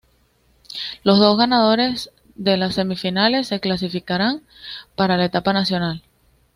Los dos ganadores de las semifinales se clasificarán para la Etapa Nacional.